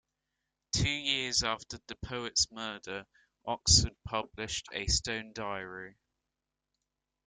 Two years after the poet's murder, Oxford published "A Stone Diary".